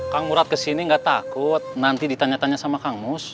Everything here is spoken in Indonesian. kang urat kesini gak takut nanti ditanya tanya sama kang mus